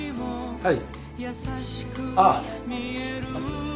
はい。